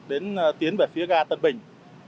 đến tiến về phía gà tân bình